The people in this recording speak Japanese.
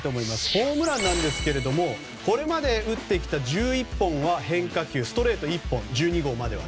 ホームランなんですけれどもこれまで打ってきた１１本は変化球ストレート１本、１２号までは。